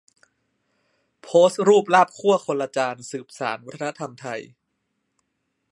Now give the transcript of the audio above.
โพสต์รูปลาบคั่วคนละจานสืบสานวัฒนธรรมไทย